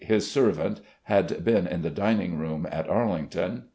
tl His servant — ^had been in the dining room at Arlington.